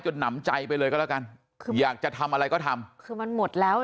หนำใจไปเลยก็แล้วกันคืออยากจะทำอะไรก็ทำคือมันหมดแล้ว